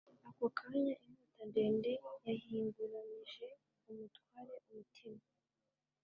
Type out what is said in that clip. ako kanya inkota ndende yahinguranije umutware umutima